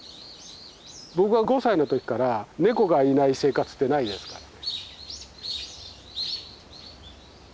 僕が５歳の時から猫がいない生活ってないですから。